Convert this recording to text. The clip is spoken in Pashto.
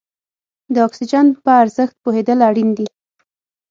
د اکسیجن په ارزښت پوهېدل اړین دي.